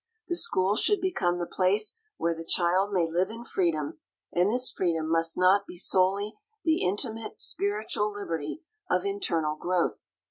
The school should become the place where the child may live in freedom, and this freedom must not be solely the intimate, spiritual liberty of internal growth.